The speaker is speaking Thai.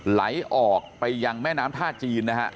ไหลออกไปยังแม่น้ำท่าจีนนะฮะ